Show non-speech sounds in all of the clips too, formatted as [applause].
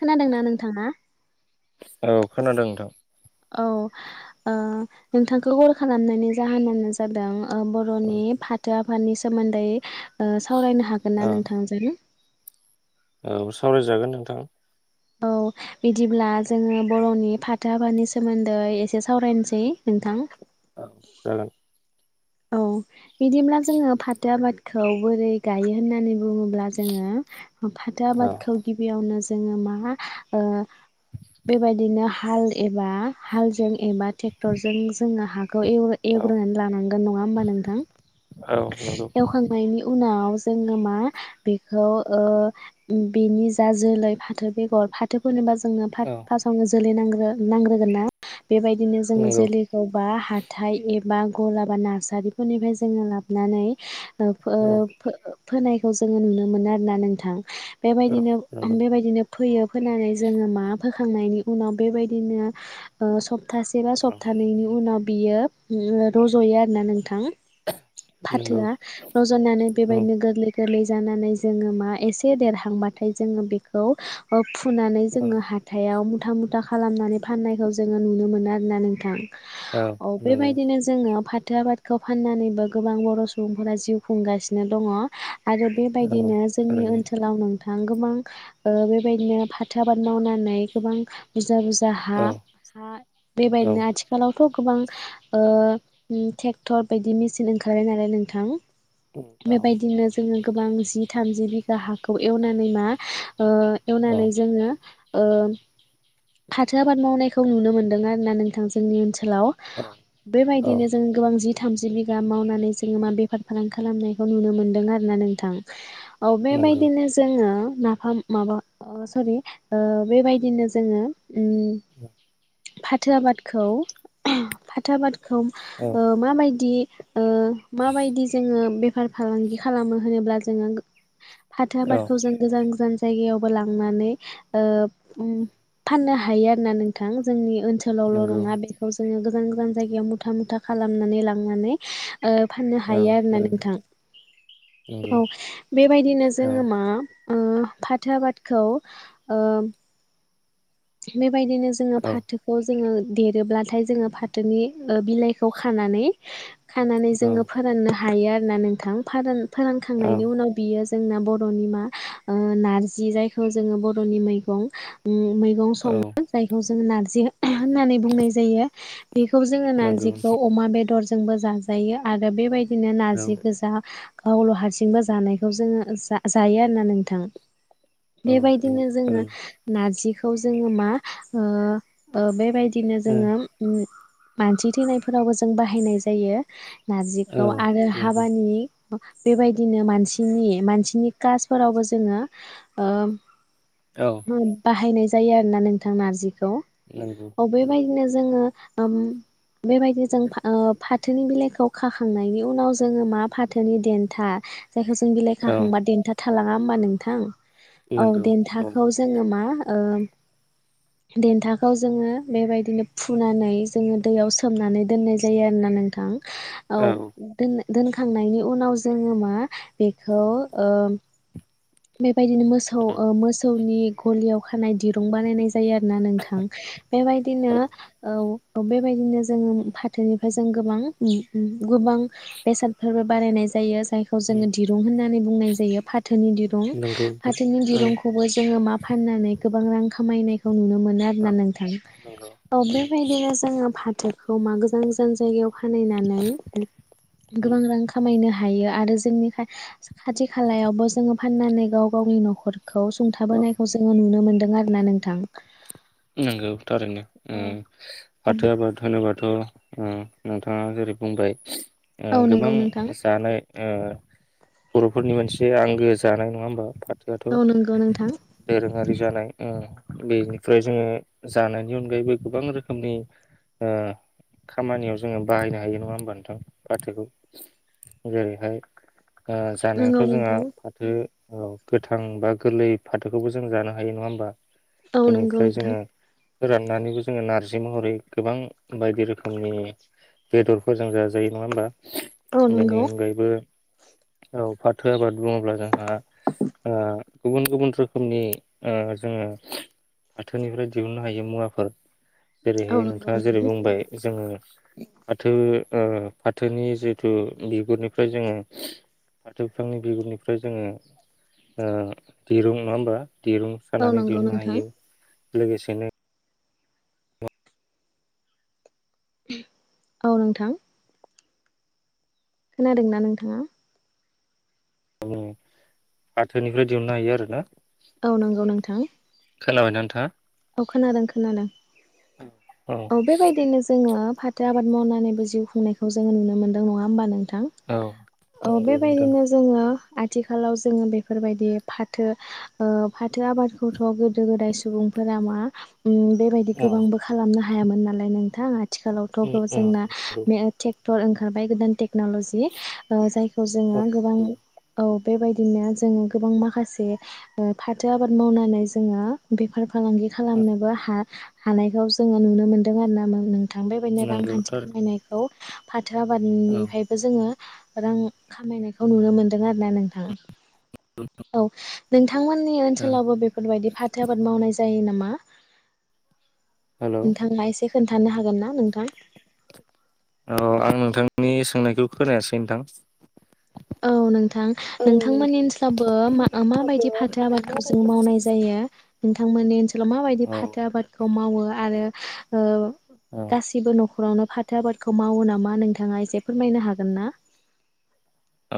खोनादोंना नोंथाङा? औ खोनादों नोंथां। औ आ नोंथांखौ हल खालामनायनि जाहोनानो जादों। ओ औ बर'नि फाथो आ नि सोमोन्दै ओ सावरायनो हागोन ना औ नोंथांजों औ सावरायजागोन नोंथां औ बिदिब्ला जोङो बर'नि फाथो हाबानि सोमोन्दै एसे सावरायनोसै नोंथां। औ जागोन औ बिदिब्ला जोङो फाथो आबादखौ बोरै गायो होननानै बुङो ब्ला जोङो फाथो औ आबादखौ गिबियावनो जोङो माहा औ बे बायदिनो हाल एबा हालजों एबा थेक्टरजों जोङो हा खौ एउ औ एउग्रोनानै लानां नंङा होनबा नोंथां औ नंगौ एउखांबायनि उना आव जोङो मा बेखौ ओ उ बिनि जा जोलै फाथो बेगर फाथो फोनोबा जो । ओङो फाथ औ फासावनो जोलै नांगौ । नांग्रोगोन ना बेबायदिनो जोङो नंगौ जोलैखौबा हाथाय एबा गला बा नार्सारिफोरनिफ्राय जोङो लाबोनानै औ [unintelligible] फोनायखौ जोङो नुनो मोनो आरोना नोंथां। औ बेबायदिनो नंगौ बेबायदिनो फैयो फोननानै जोङो मा फोखांनायनि उनाव बेबायदिनो स सप्तासे बा औ सप्तानैैनि उनाव बियो गयो आरो ना नोंथां नंगौ फाथोआ रज'नानै औ बेबायदिनो गोरलै गोरलै जानानै जोङो मा एसे देरहांबाथाय जोङो बेखौ फुनानै औ जोङो हाथायाव मुथा मुथा खालामनानै फाननायखौ जोङो नुनो मोनो आरोना नोंथां। औ बेबायदिनो जोङो फाथो आबादखौ फाननानैबो गोबां बर' सुबुंफोरा जिउ खुंगासिनो दङ। आरो औ बेबायदिनो जोंनि थारैनो ओनसोलाव नों गोबां ओ बेबायदिनो फाथो आबाद मावनानै गोबां बुरजा बुरजा औ हा हा औ औ बेबायदिनो आथिखालाव थ' गोबां ओ टेक्टर बायदि मेसिन ओंखारबाय नालाय नोंथां। बेबायदिनो जोङो गोबां जि थामजि बिघा हाखौ एवनानै मा ओ औ एवनानै जोङो ओ फाथो आबाद मावनायखौ नुनो मोनदों आरोना नोंथां जोंनि ओनसोल आव औ बेबायदि औ बिदिनो जों गोबां जि थामजि बिगा मावनानै जोङो मा बेफार फालां खालामनायखौ नुनो मोनदों आरोना नोंथां औ नंगौ बेबायदिनो जोङो नाफाम माबा अ सरि ओ बेबायदिनो जोङो उम फाथो आबादखौ फाथो आबाद खौ औ ओ माबायदि ओ माबायदि जोङो बे बेफार फालांगि खालामो होनोब्ला जोङो हाथो औ आबादखौ जों गोजान गोजान जायगायावबो लांनानै फाननो हायो आरोना नोंथां जोंनि ओनसोलावल' नंगौ नङा बेखौ जोङो गोजान गोजान जानायाव मुथा मुथा खालामनानै लांनानै फाननो औ हायो आरोना थारैनो नोंथां नंगौ औ बेबायदिनो औ जोङो मा फाथो आबादखौ बि बेबायदिनो जोङो औ फाथोखौ जोङो देरोब्लाथाय जोङो फाथोनि बिलाइखौ खानानै खानानै औ जोङो फोराननो हायो आरोना नोंथां फार औ फोरानखांनायनि उनाव बियो जों बर मा नार्जि जायखौ बरनि मैगं संनो जायखौ जों जों नार्जि होननानै बुंनाय जायो बेखौ जोङो नंगौ नारजिखौ अमा बेदर जोंबो जाजायो आरो बेबायदि बिदिनो औ नारजि गोजा गावल' हारसिंबो जानायखौ जोङो जायो आरोना नोंथां नंगौ बेबायदिनो जोङो नारजिखौ [inaudible] जोङो मा ओ ओ बेबादि थारैनो बिदिनो जोङो मानसि थैनायफोरावबो जों बाहायनाय जायो ओ ओ नारजिखौ आरो नंगौ हाबानि बेबायदिनो मानसिनि मानसिनि कासफोरावबो जोङो औ बाहायनाय जायो आरोना नोंथां नारजि खौ नंगौ अ बेबायदिनो जोङो ओम बेबायदि जों फा-फाथोनि बिलाइखौ खाखांनायनि उनाव जोङो मा फाथोनि देन्था जायखौ जों बिलाइ औ खाखांबा देन्था थालाङा होमबा नोंथां? औ नंगौ औ देन्थाखौ जोङो मा ओं देन्थाखौ जोङो बेबायदिनो फुनानै जोङो दैयाव सोमनानै दोननाय जायो आरोना नोंथां। औ दोनाय दोनखांनायनि उनाव जोङो मा बेखौ ओ [unintelligible] बेदिनो मोसौ औ ओ मोसौनि गलियाव खानाय दिरुं बानायनाय जायो आरोना नोंथां बेबायदिनो औ औ बेबायदिनो जोङो फाथोनिफ्राय जों गोबां उम उम गोबां बेसादफोरबो बानायायनाय जायो। जायखौ जोङो दिरुं होनना बुंनाय जायो फाथनि दि रुं नंगौ नोंथां फाथोनि औ दिरुंखौबो जोङो मा फाननानै गोबां रां खामायनायखौ नुनो मोनो औ आरोना नोंथां नंगौ औ बेबायदिनो जोङो फा फाथोखौ मा गोजान गोजान जायगायाव फानहैनानै गोबां रां खामायनो हायो आरो जोंनि खा खाथि खालायावबो जोङो फाननानै गाव गावनि न'खर खौ औ सुंथाबोनायखौ जोङो नुनो मोनो। दों आरोना नोंथां। नंगौ थारैनो उम औ फाथो आबाद होनोबाथ' उम नोंथाङा जेरै बुंबाय ओ औ नंगौ गोबां नोंथां जानाय ओ बर'फोरनि मोनसे आंगो जानाय नङा होमबा? औ नंगौ नोंथां [unintelligible] दोरों खारि जानाय ओ बेनि ओमफ्राय जोङो जानायनि अनगायैबो गोबां रोखोमनि ओ खामानियाव जोङो बाहायनो हायो नङा होमबा नोंथां फाथोखौ जेरैहाय ओ नंगौ जानायावथ' जोंहा नोंथां फाथो औ गोथां बा गोरलै फाथोखौबो जों जानो हायो नङा होमबा औ नोंगौ बेनिफ्राय नोंथां। जोङो फोराननानैबो जोङो नारजि महरै गोबां बायदि रोखोमनि बेदरफोरजों जाजायो नङा होमबा? औ बेनि नंगौ अनगायैबो औ फाथो आबाद बुङोब्ला जोंहा ओ गुबुन गुबुन रोखोमनि जोङो। फाथोनिफ्राय दिहुननो हायो मुवाफोर औ जेरैहाय नंगौ नोंथाङा जेरै नोंथां बुंबाय जोङो फाथो फाथोनि जिथु बिगुरनिफ्राय जोङो फाथो बिफांनि बिगुरनिफ्राय जोङो दिरुं नङा होमबा दिरुं औ सानानै नंगौ दिहुननो नोंथां हायो। लोगोसेनो औ नोंथां। खोनादोंना नोंथाङा फाथोनिफ्राय दिहुननो हायो आरोना। औ नंगौ नोंथां । खोनाबाय नोंथाङा औ खोनादों खोनादों औ बेबायदिनो जोङो फाथो आबाद मावनानैबो जिउ खुंनायखौ जोङो नुनो मोनदों नङा होमबानो औ औ नंगौ नोंथां बेबायदिनो जोङो आथिखालाव जोङो बेफोरबायदि फाथो फाथो आबादखौथ' गोदो गोदाय सुबुं [unintelligible] बेबायदि औ गोबांबो खालामनो हायो। हायामोन नालाय नोंथां आथिखालावथ' उम गो औ जोंना नंगौ ओंखारबाय गोदान टेकन'ल'जि जाय खौ औ जोङो गोबां नंगौ औ। बेबायदिनो जोङो गोबां माखासे फाथो आबाद मावनानै जोङो बे फालांगि औ खालामनोबो हा हानायखौ जोङो नुनो मोनदों आरो ना। बेबायदिनो नंगौ रांखान्थि थारै खामायनायखौ फाथो बोथोर औ आबादनिफ्रायबो जोङो रां खामायनायखौ नुनो मोनदों आरो ना नोंथाङा औ। थांमोननि औ ओनसोलावबो बेफोरबायदि फाथो आबाद मावनाय जायो नामा? हेलौ नोंथाङा एसे खोन्थानो हागोन ना नोंथां औ आं नोंथांनि सोंनायखौ खोनायासै नोंथां। औ नोंथां औ नोंथांमोननि नोंथांनि ओनसोलावबो मा माबायदि साहाबोआ फाथो आबादखौ जों माबायदि मावनाय जायो। नोंथांमोननि ओनस ओनसोलाव माबायदि औ फाथो आबादखौ मावो आरो ओ औ गासिबो न'ख न'खरावनो फाथो आबादखौ मावो नामा नोंथाङा एसे फोरमायनो हागोन ना?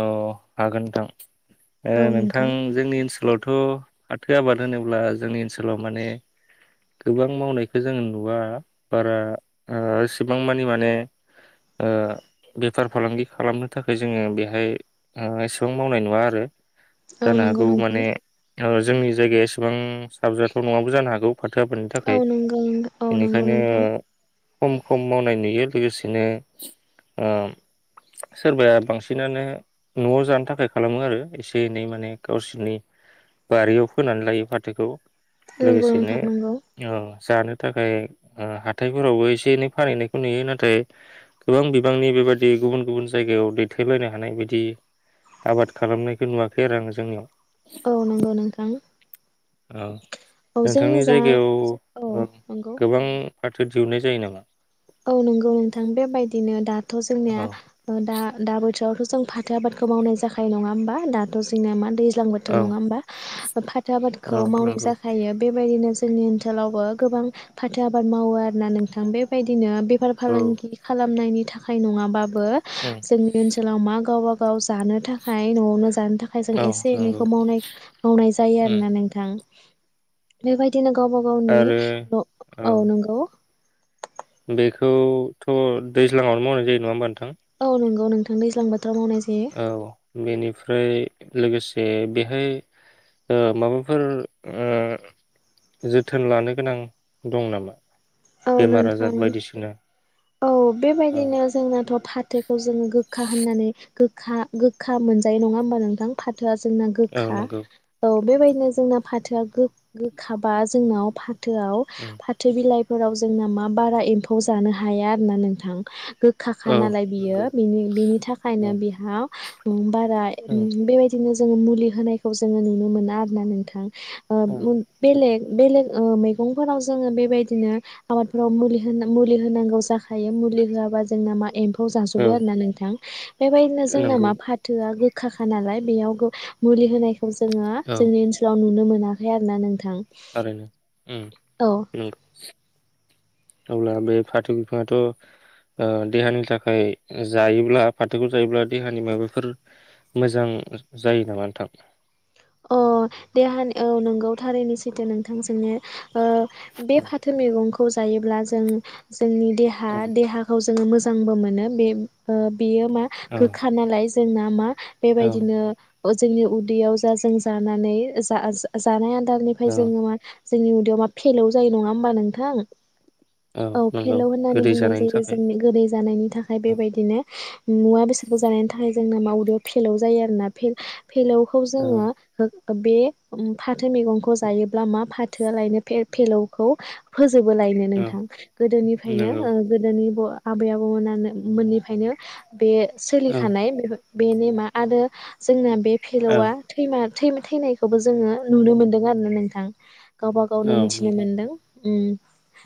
औ हागोन नोंथां। ओ नोंथां जोंनि ओनसोलाव थ' फाथो आबाद होनोब्ला जोंनि ओनसोलाव माने गोबां मावनायखौ जोङो नुवा बारा एसेबां मानि माने ओ बेफार फालांगि खालामनो थाखाय जोङो बे हाय ओ एसेबां मावनाय नुवा आरो। औ जानो नंगौ हागौ नोंथां माने ओ जोंनि जायगाया एसेबां साबजाथाव नङाबो जानो हागौ फाथो आबादनि औ थाखाय नंगौ औ नंगौ बेनिखायनो नोंथां खम खम मावनाय नुयो लोगोसेनो ओ सोरबाया बांसिन बिदिनानो न'आव जानो थाखाय खालामो आरो एसे एनै माने गावसोरनि बारियाव फोनानै लायो फाथोखौ। नगौ लोगोसेनो नोंथां नंगौ। ओ जानो थाखाय ओ हाथायफोरावबो एसे एनै फानहनायखौ नुयो नाथाय गोबां बिबांनि बेबादि गुबुन गुबुन जायगायाव दै थैलायनो हानाय बिदि आबाद खालामनायखौ नुवाखै आरो आङो जोंनियाव औ नंगौ नोंथां। ओ औ जोंनि नोंथांनि जा जायगायाव औ ओ नंगौ। गोबां फाथो दिहुननाय जायो नामा? औ नंगौ नोंथां बेबायदिनो दा थ' जोंनिया औ ओ दा दा बोथोरावथ' जों फाथो आबादखौ मावनाय जानाय नङा होमबा दाथ' जोंनिया मा दै दैज्लां बोथोर औ नङा होमबा फाथो आबादखौ औ मावनाय नंगौ जाखायो बेबायदिनो ज जोंनि ओनसोलावबो गोबां फाथो आबाद मावो आरोना नोंथां बेबायदि बिदिनो। बेफार औ फालांगि खालामनायनि थाखाय नङाबा बो उम जोंनि ओनसोलाव मा गावबा गाव गाव जानो थाखाय न'आवनो जानो थाखाय जों औ एसे नंगौ एनैखौ मावनाय मावनाय जायो उम आरोना नोंथां बेबायायदि नो गावबा गावनि आरो न औ नंगौ । बेखौथ' दैज्लाङावनो मावनाय जायो नङा होमब्ला औ नंगौ । औ नोंथां दैज्लां बो मावनाय जायो । औ बेनिफ्राय लोगोसे बेहाय ओ माबाफोर ओ जोथोन लानो गोनां दं नामा? औ बेमार आजार नोंथां बायदिसिना औ औ बेबायदिनो जोंनाथ' फाथोखौ जोङो गोखा होननानै गोखा गोखा मोनजायो नङा होमबा नोंथां फाथोआ जोंना औ गोखा नंगौ औ बेबायदिनो जोंना फाथोआ गोखाबा जोंनाव फाथोआव उम फाथो बिलाइ फोराव जोंना मा बारा एम्फौ जानो हाया आरो ना नोंथां । गोखाखा औ नालाय नंगौ बियोनि बेनि बेनि थाखायनो औ बिहा उम बारा औ उम बेबायदिनो जोङो मुलि होनायखौ जोङो नुनो मोना आरो ना नोंथां । ओ औ बेलेग बेलेग ओ मैगंफोराव जोङो बेबायदिनो आबादफोराव मुलि मुलि होनांगौ जाखायो मुलि होआबा जोंना मा एम्फौ खौ औ जाजोबो आरोना नोंथां बेबायदिनो जोंना नंगौ मा फाथोआ काखा नालाय बेयाव मुलि होनाय जोङो जोंनि ओनसोलाव नुनो मोनो मोनाखै आरो ना नों आरो नो [inaudible] अब्ला बे फाथो बिफाङाथ' ओ देहानि थाखाय जायोब्ला फाथोखौ जायोब्ला देहानि माबाफोर मोजां जायो नामा नोंथां? अ' देहानि औ नंगौ थारैनो सैथो नोंथां सोंनाया । ओ बे औ फाथो मैगंखौ खौ जायोब्ला जों जोंनि देहा देहाखौ जोङो मोजांबो मोनो बे ओ बेयो मा औ गोखा नालाय जोंना मा औ बेबायदिनो । ओ जोंनि उदैयाव दा जों जानानै ओ [unintelligible] दालनिफ्राय औ जोङो मा जोंनि उदैयाव मा फेलाव जायो नङा होमबा नोंथां? औ फेल' नंगौ होननानै गोदै बुंनाय जानायनि जायो थाखाय जोंनि गोदै जानायनि थाखाय औ बेबायदिनो मुवा बेसादखौ जानायनि थाखाय [unintelligible] मावदो फेलौ जायो आरोना फेलौखौ औ जोङो ओ बे फाथो मैगंखौ जायोब्ला मा फाथोआ लायनो फेलौखौ जोबो लायनो औ नोंथां गोदोनिफ्रायनो नंगौ ओ गोदोनि ब आबै आबौमोनानो मोननिफ्रायनो बे औ सोलिखानाय बे बे नेमा आरो जोंना बे औ फेलौआ थैमा थै थैनायखौबो जोङो नुनो मोनदों आरोना नोंथां गावबा गावनो औ मिथिनो नंगौ मोनदों उम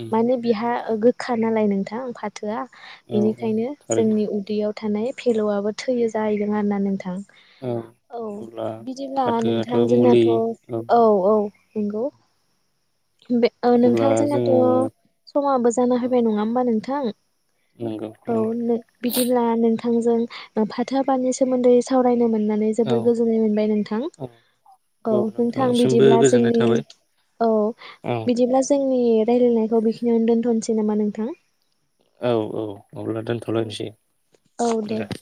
उम माने बिहा ओ गोखा नालाय नोंथां फाथ थोआ औ औ बेनिखायनो थारैनो जोंनि उदैयाव थानाय फेल'आबो थैयो जाहैदों आरोना नोंथां औ औ अब्ला बिदिब्ला फाथोआथ' नोंथां मुलि जोंनाथ' औ औ नंगौ बे ओ नोंथां अब्ला जोंनाथ' जोङो समाबो जाना औ होबाय नङा होमबा नोंथां? नोंथां औ बिदिब्ला नों नोंथांजों फाथो आबादनि सोमोन्दै सावरायनो मोन मोननानै औ जोबोर गोजोननाय मोनबाय नोंथां औ औ नोंथां नोंथांनिसिमबो बिदिब्ला गोजोननाय जोंनि थाबाय औ औ बिदिब्ला ज जोंनि रायजलायनायखौ बेखिनियावनो दोनथ'नोसै नामा नोंथां? औ औ अब्ला दोनथ'लायसै दे